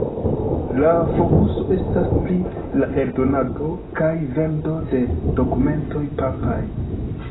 La fokuso estas pri la eldonado kaj vendo de dokumentoj papaj.